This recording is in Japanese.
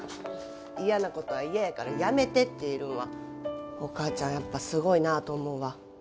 嫌なことは嫌やからやめてって言えるんはお母ちゃんやっぱすごいなと思うわ。